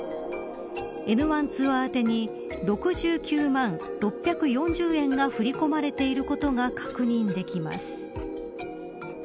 エヌワンツアー宛に６９万６４０円が振り込まれていることが確認できます。